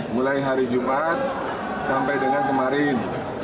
mulai hari jumat sampai dengan kemarin